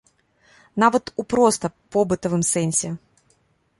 Нават у проста побытавым сэнсе.